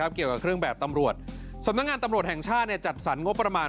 เกี่ยวกับเครื่องแบบตำรวจสำนักงานตำรวจแห่งชาติจัดสรรงบประมาณ